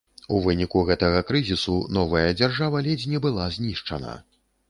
У выніку гэтага крызісу новая дзяржава ледзь не была знішчана.